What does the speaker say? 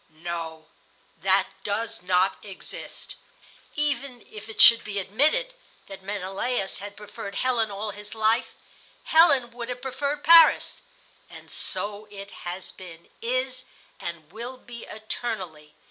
"No, that does not exist. Even if it should be admitted that Menelaus had preferred Helen all his life, Helen would have preferred Paris; and so it has been, is, and will be eternally.